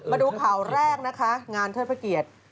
มาดูข่าวแรกนะคะงานเทิดพระเกียรติ